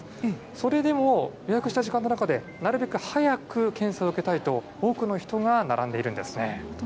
それでも予約した時間の中で、なるべく早く検査を受けたいと、多くの人が並んでいるんですね。